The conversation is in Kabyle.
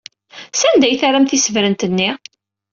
Sanda ay terram tisebrent-nni?